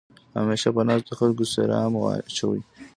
همېشه په ناستو خلکو سلام اچوې.